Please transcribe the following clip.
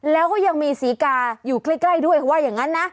แล้วก็ยังมีศรีกาอยู่ใกล้ด้วยเขาว่าอย่างนั้นนะ